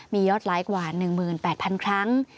มียอดไลค์กว่า๑๘๐๐๐ครั้ง